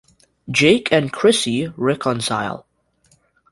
Jake and Chrissie reconcile.